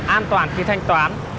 an toàn khi thanh toán